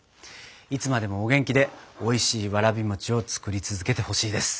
いつまでもお元気でおいしいわらび餅を作り続けてほしいです。